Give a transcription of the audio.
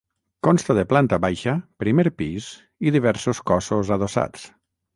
Consta de planta baixa, primer pis i diversos cossos adossats.